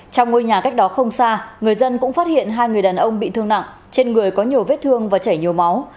trong ngôi nhà cách đó không xa người dân cũng phát hiện hai người đàn ông bị thương nặng trên người có nhiều vết thương và chảy nhiều máu